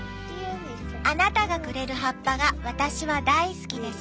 「あなたがくれる葉っぱが私は大好きです。